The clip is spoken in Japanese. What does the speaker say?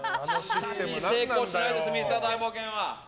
成功しないですねミスター大冒険。は。